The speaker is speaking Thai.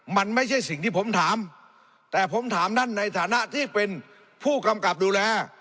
มันไม่ใช่สิ่งที่ผมถามแต่ผมถามท่านในฐานะที่เป็นผู้กำกับดูแล